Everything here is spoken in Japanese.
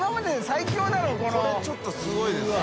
海ちょっとすごいですね。